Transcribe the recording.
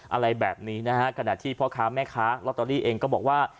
อะไรแบบนี้นะฮะขณะที่พ่อค้าแม่ค้าลอตเตอรี่เองก็บอกว่า